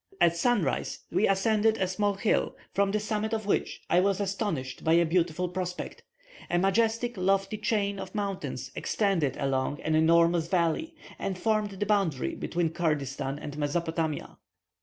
At sunrise, we ascended a small hill, from the summit of which I was astonished by a beautiful prospect: a majestic lofty chain of mountains extended along an enormous valley, and formed the boundary between Kurdistan and Mesopotamia.